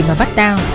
mà bắt tao